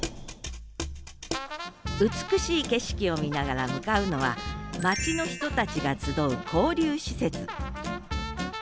美しい景色を見ながら向かうのは町の人たちが集う交流施設。